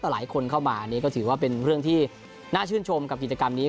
หลายคนเข้ามานี่ก็ถือว่าเป็นเรื่องที่น่าชื่นชมกับกิจกรรมนี้